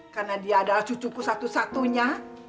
karena dia adalah cucuku satu satunya